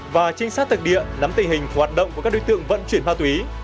và trinh sát thực địa nắm tình hình hoạt động của các đối tượng vận chuyển ma túy